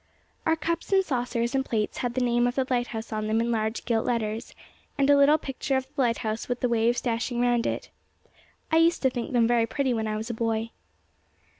Our cups and saucers and plates had the name of the lighthouse on them in large gilt letters, and a little picture of the lighthouse with the waves dashing round it. I used to think them very pretty when I was a boy.